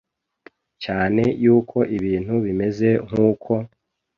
cyane y'uko ibintu bimeze nkuko